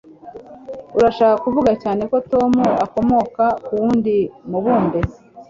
Urashaka kuvuga cyane ko Tom akomoka kuwundi mubumbe?